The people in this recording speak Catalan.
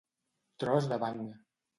Tros de banc.